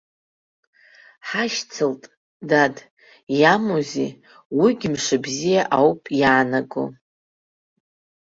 Ҳашьцылт, дад, иамоузеи, уигь мшыбзиа ауп иаанаго!